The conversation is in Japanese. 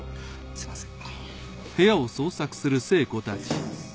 すみません。